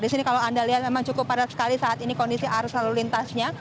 di sini kalau anda lihat memang cukup padat sekali saat ini kondisi arus lalu lintasnya